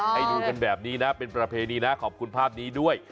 ให้ดูกันแบบนี้นะเป็นประเพณีนะขอบคุณภาพนี้ด้วย